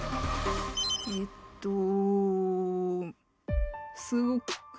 えっと。